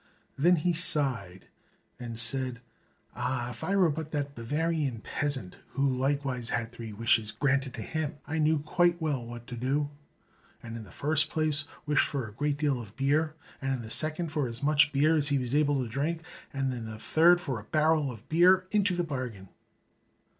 Then he sighed and said, "Ah, if I were but that Bavarian peasant, who likewise had three wishes granted to him, and knew quite well what to do, and in the first place wished for a great deal of beer, and in the second for as much beer as he was able to drink, and in the third for a barrel of beer into the bargain."